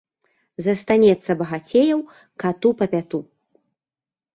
Застанецца багацеяў кату па пяту.